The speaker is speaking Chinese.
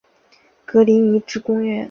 格林尼治宫苑。